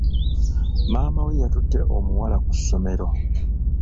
Maama we yatutte omuwala ku ssomero.